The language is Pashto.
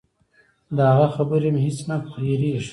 د هغه خبرې مې هېڅ نه هېرېږي.